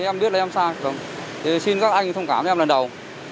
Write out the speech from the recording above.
em biết là em sai xin các anh thông cảm em lần đầu